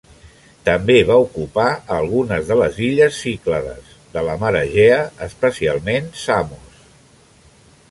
També va ocupar algunes de les illes Cíclades de la mar Egea, especialment Samos.